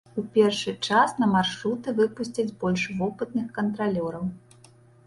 У першы час на маршруты выпусцяць больш вопытных кантралёраў.